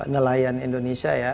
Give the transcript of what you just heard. nelayan indonesia ya